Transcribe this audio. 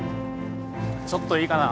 ちょっといいかな。